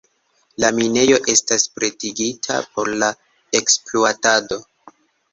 La minejo estas pretigita por la ekspluatado.